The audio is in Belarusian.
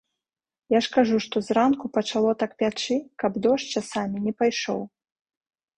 Я ж кажу, што зранку пачало так пячы, каб дождж, часамі, не пайшоў.